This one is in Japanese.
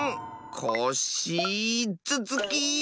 コッシーずつき！